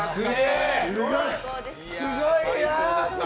すごいな。